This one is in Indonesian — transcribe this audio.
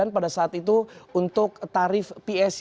pada saat itu untuk tarif psc